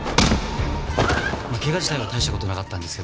けが自体は大した事なかったんですけど。